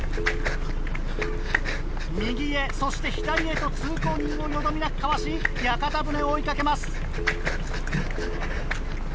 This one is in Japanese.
右へそして左へと通行人をよどみなくかわし屋形船を追い掛けます。